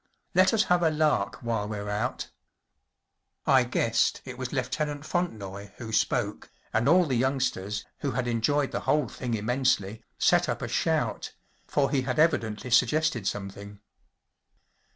Let us have a lark while we’re out‚ÄĚ I guessed it was Lieutenant Fontenoy who spoke, and all the youngsters, who had enjoyed the whole thing immensely, set up a shout, for he had evidently suggested something.